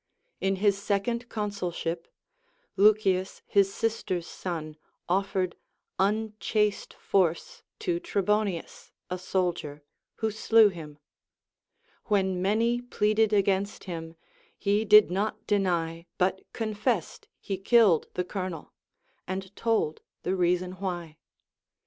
In his second consulship, Lucius his sister's son offered unchaste force to Trebonius, a sol dier, who slew him ; Avhen many pleaded against him, he did not deny but confessed he killed the colonel, and told the reason why.